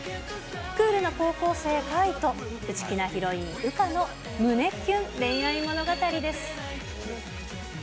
クールな高校生、界と内気なヒロイン、羽花の胸キュン恋愛物語です。